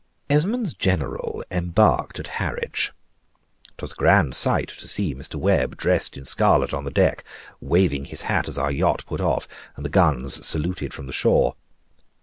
Esmond's general embarked at Harwich. 'Twas a grand sight to see Mr. Webb dressed in scarlet on the deck, waving his hat as our yacht put off, and the guns saluted from the shore.